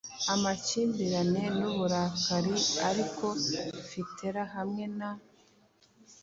Amakimbirane nuburakariariko Fitela hamwe na